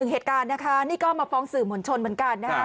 เหตุการณ์นะคะนี่ก็มาฟ้องสื่อมวลชนเหมือนกันนะคะ